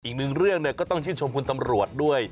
อีกหนึ่งเรื่องเนี่ยก็ต้องชิดชมคุณสำรวจด้วย